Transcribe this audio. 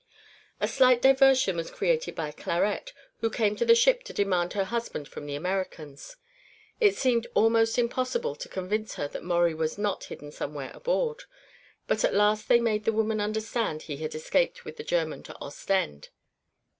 A slight diversion was created by Clarette, who came to the ship to demand her husband from the Americans. It seemed almost impossible to convince her that Maurie was not hidden somewhere aboard, but at last they made the woman understand he had escaped with the German to Ostend.